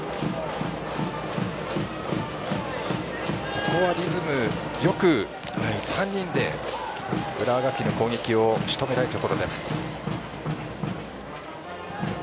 ここはリズムよく３人で浦和学院の攻撃をしとめたいところです。